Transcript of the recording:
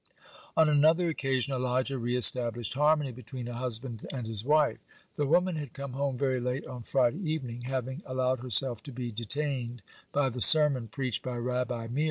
(59) On another occasion, Elijah re established harmony between a husband and his wife. The woman had come home very late on Friday evening, having allowed herself to be detained by the sermon preached by Rabbi Meir.